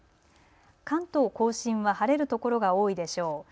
関東甲信は晴れる所が多いでしょう。